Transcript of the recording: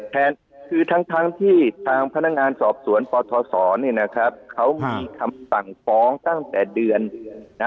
แทนทั้งที่ทางพนักงานสอบสวนปทศมีคำสั่งฟ้องตั้งแต่เดือน